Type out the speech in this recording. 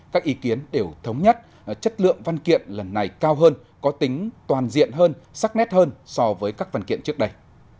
các ý kiến đều thống nhất chất lượng văn kiện lần này cao hơn có tính toàn diện hơn sắc nét hơn so với các văn kiện trước đây